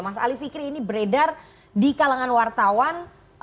mas ali fikri ini beredar di kalangan wartawan